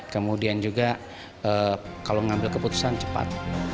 kemudian juga kalau ngambil keputusan cepat